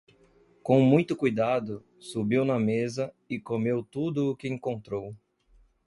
Com muito cuidado, subiu na mesa e comeu tudo o que encontrou.